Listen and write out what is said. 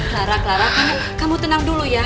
clara clara kamu tenang dulu ya